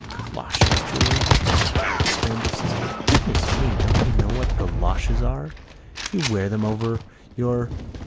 "Goloshes, Julia!" exclaimed her sister. "Goodness me, don't you know what goloshes are? You wear them over your